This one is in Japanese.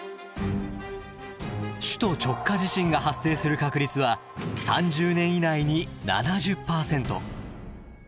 首都直下地震が発生する確率は３０年以内に７０％。